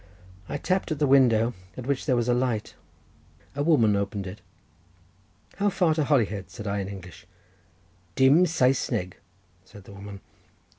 I tapped at the window, at which there was a light; a woman opened it. "How far to Holyhead?" said I in English. "Dim Saesneg," said the woman.